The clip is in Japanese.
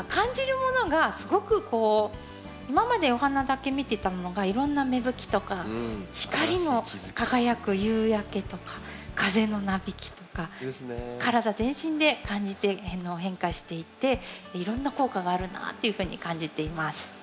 今までお花だけ見てたものがいろんな芽吹きとか光も輝く夕焼けとか風のなびきとか体全身で感じて変化していっていろんな効果があるなっていうふうに感じています。